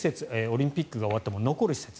オリンピックが終わっても残る施設